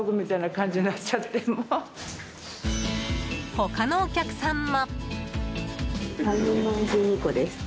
他のお客さんも。